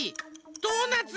ドーナツ。